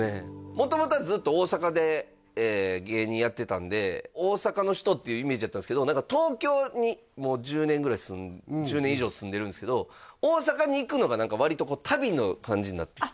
元々はずっと大阪で芸人やってたんで大阪の人っていうイメージやったんですけど東京にもう１０年ぐらい１０年以上住んでるんですけど大阪に行くのが割と旅の感じになってきて